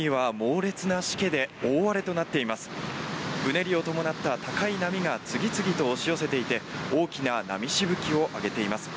うねりを伴った高い波が次々と押し寄せていて大きな波しぶきを上げています。